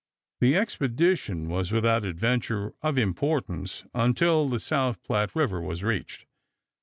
The expedition was without adventure of importance until the South Platte River was reached.